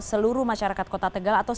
seluruh masyarakat kota tegal atau